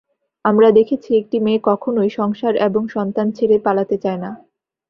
আমরা দেখেছি, একটি মেয়ে কখনোই সংসার এবং সন্তান ছেড়ে পালাতে চায় না।